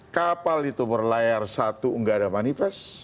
kapal itu berlayar satu enggak ada manifest